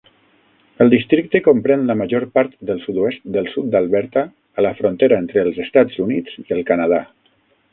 El districte comprèn la major part del sud-oest del sud d'Alberta a la frontera entre els Estats Units i el Canadà.